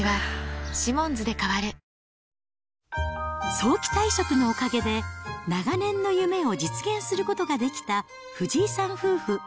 早期退職のおかげで、長年の夢を実現することができた藤井さん夫婦。